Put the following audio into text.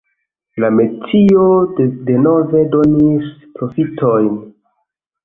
La metio denove donis profitojn.